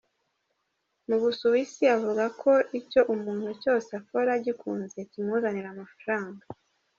Mu Busuwisi avuga ko icyo umuntu cyose akora agikunze kimuzanira amafaranga.